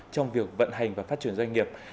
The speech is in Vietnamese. trong việc vận hành và phát triển doanh nghiệp